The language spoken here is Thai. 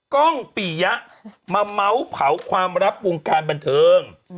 กล้องปียะมาเม้าเผาความรับวงการบันเทิง